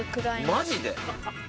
マジで？